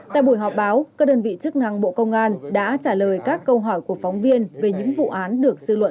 tại buổi họp báo các đơn vị chức năng bộ công an đã trả lời các câu hỏi của phóng viên về những vụ án được dư luận